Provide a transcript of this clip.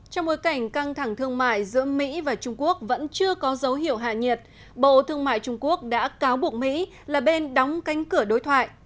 trong bối cảnh căng thẳng thương mại giữa mỹ và trung quốc vẫn chưa có dấu hiệu hạ nhiệt bộ thương mại trung quốc đã cáo buộc mỹ là bên đóng cánh cửa đối thoại